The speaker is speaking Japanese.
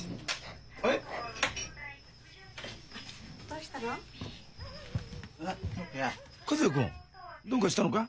どうかしたのか？